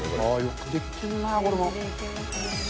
よくできてるな、これも。